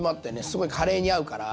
すごいカレーに合うから。